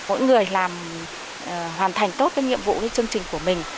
mỗi người làm hoàn thành tốt cái nhiệm vụ cái chương trình của mình